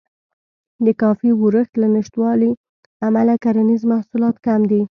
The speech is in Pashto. د کافي ورښت له نشتوالي امله کرنیز محصولات کم دي.